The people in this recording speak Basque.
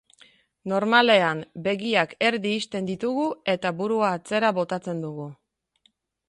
Normalean, begiak erdi ixten ditugu eta burua atzera botatzen dugu.